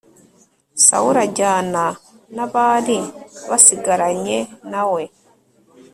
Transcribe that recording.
sawuli ajyana n'abari basigaranye na we